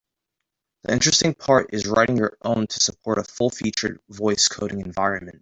The interesting part is writing your own to support a full-featured voice coding environment.